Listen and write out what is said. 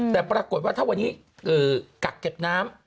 แต่ปรากฏว่าถ้าวันนี้กักเก็บน้ำ